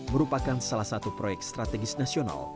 bukan sekolahitas bukan ekonomi secara daftar